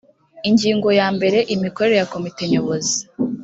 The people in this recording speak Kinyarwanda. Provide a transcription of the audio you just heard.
ingingo ya mbere imikorere ya komite nyobozi